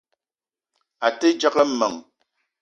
A te djegue meng.